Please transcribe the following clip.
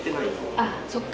あっそっか。